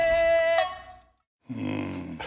うん